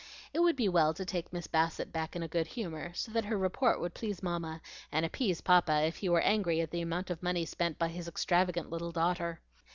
It would be well to take Miss Bassett back in a good humor, so that her report would please Mamma, and appease Papa if he were angry at the amount of money spent by his extravagant little daughter.